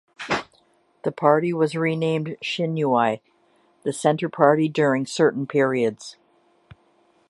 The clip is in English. The party was renamed Shinui - The Centre Party during certain periods.